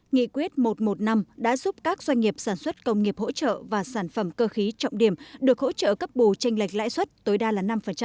nghị quyết một trăm một mươi năm đã giúp các doanh nghiệp sản xuất công nghiệp hỗ trợ và sản phẩm cơ khí trọng điểm được hỗ trợ cấp bù tranh lệch lãi suất tối đa là năm